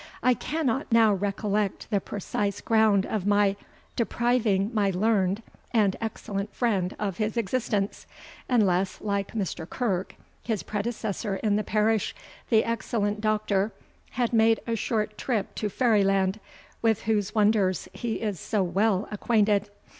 I cannot now recollect the precise ground of my depriving my learned and excellent friend of his existence, unless, like Mr. Kirke, his predecessor in the parish, the excellent Doctor had made a short trip to Fairyland, with whose wonders he is so well acquainted.